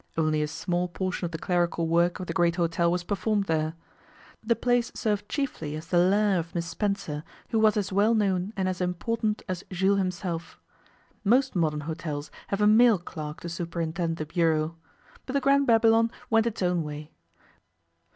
Only a small portion of the clerical work of the great hotel was performed there. The place served chiefly as the lair of Miss Spencer, who was as well known and as important as Jules himself. Most modern hotels have a male clerk to superintend the bureau. But the Grand Babylon went its own way.